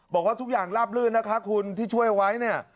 บอกว่าทุกอย่างราบลื่นนะคะคุณที่ช่วยเอาไว้เนี่ย